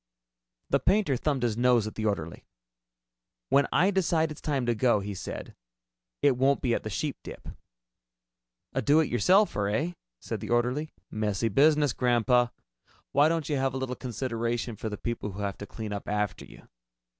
The painter thumbed his nose at the orderly. "When I decide it's time to go," he said, "it won't be at the Sheepdip." "A do it yourselfer, eh?" said the orderly. "Messy business, Grandpa. Why don't you have a little consideration for the people who have to clean up after you?"